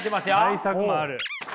対策もある。